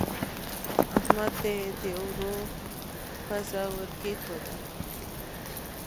احمد ته يې د اوړو پزه ور کېښوده.